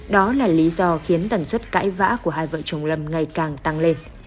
đó là lý do khiến tần suất cãi vã của hai vợ chồng lâm ngày càng tăng lên